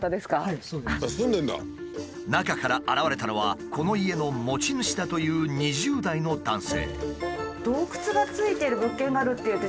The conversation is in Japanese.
中から現れたのはこの家の持ち主だという２０代の男性。